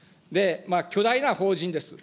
巨大な法人です。